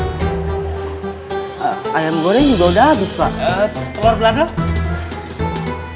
ayam goreng juga udah habis pak